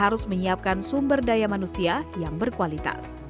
harus menyiapkan sumber daya manusia yang berkualitas